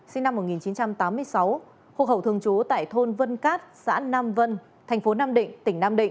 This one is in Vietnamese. sinh năm một nghìn chín trăm tám mươi sáu hộp hậu thường chú tại thôn vân cát xã nam vân thành phố nam định tỉnh nam định